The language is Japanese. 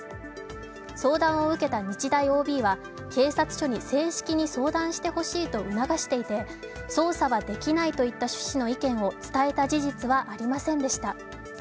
相談を受けた日大ＯＢは、警察署に正式に相談してほしいと促していて、捜査はできないといった趣旨の意見を伝えた事実はありませんでした。